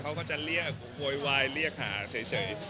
เขาก็จะเรียกโวยวายเรียกหาเฉย